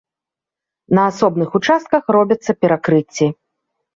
На асобных участках робяцца перакрыцці.